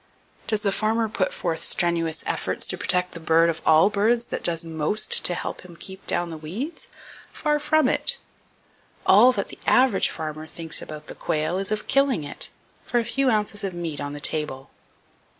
Does the farmer put forth strenuous efforts to protect the bird of all birds that does most to help him keep down the weeds? Far from it! All that the average farmer thinks about the quail is of killing it, for a few ounces of meat on the table.